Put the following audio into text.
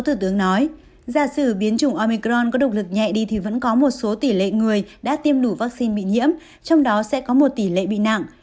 thủ tướng nói gia xử biến chủng omicron có độc lực nhẹ đi thì vẫn có một số tỷ lệ người đã tiêm đủ vaccine bị nhiễm trong đó sẽ có một tỷ lệ bị nặng